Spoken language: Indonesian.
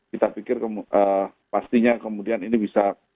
kita pikir pastinya kemudian ini bisa